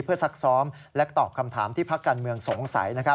เพื่อซักซ้อมและตอบคำถามที่พักการเมืองสงสัย